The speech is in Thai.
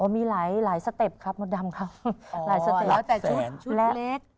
มีหลายสเต็ปครับมดดำครับหลายสเต็ปแล้วแต่ชุดเล็ก